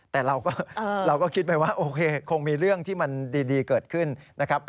แต่เราก็คิดไปว่าโอเคคงมีเรื่องที่มันดีเกิดขึ้นนะครับ